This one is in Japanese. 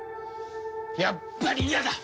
やっぱり嫌だ！